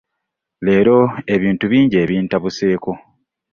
Leero ebintu bingi ebintabuseeko.